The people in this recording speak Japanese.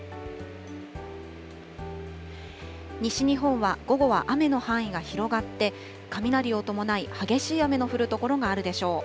西日本は午後は雨の範囲が広がって、雷を伴い激しい雨の降る所があるでしょう。